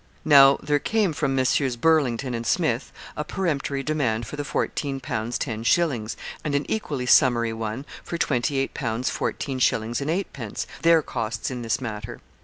Now, there came from Messrs. Burlington and Smith a peremptory demand for the fourteen pounds ten shillings, and an equally summary one for twenty eight pounds fourteen shillings and eight pence, their costs in this matter.